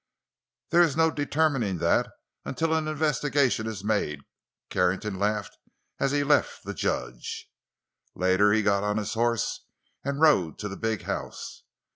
"There is no determining that until an investigation is made." Carrington laughed as he left the judge. Later he got on his horse and rode to the big house.